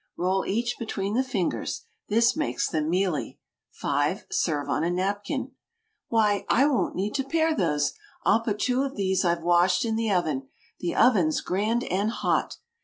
Roll each between the fingers: this makes them mealy. 5. Serve on a napkin. "Why, I won't need to pare those! I'll put two of these I've washed in the oven. The oven's grand and hot!